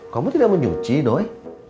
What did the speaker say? kamu tidak mencuci doi